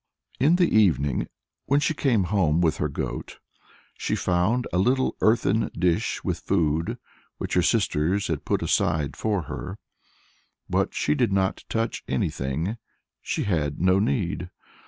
In the evening, when she came home with her goat, she found a little earthen dish with food, which her sisters had put aside for her, but she did not touch anything she had no need.